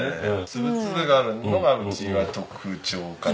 つぶつぶがあるのがうちは特徴かな。